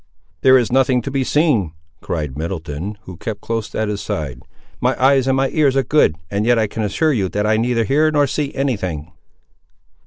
"There is nothing to be seen," cried Middleton, who kept close at his side. "My eyes and my ears are good, and yet I can assure you that I neither hear nor see any thing."